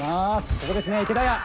ここですね池田屋。